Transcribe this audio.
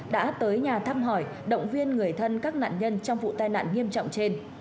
đã tới nhà thăm hỏi động viên người thân các nạn nhân trong vụ tai nạn nghiêm trọng trên